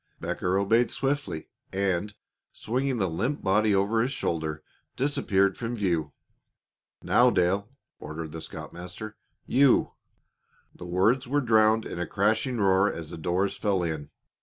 Becker obeyed swiftly, and, swinging the limp body over his shoulder, disappeared from view. "Now, Dale," ordered the scoutmaster. "You " The words were drowned in a crashing roar as the doors fell in.